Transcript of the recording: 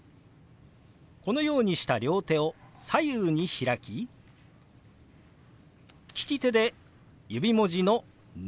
このようにした両手を左右に開き利き手で指文字の「ノ」と表します。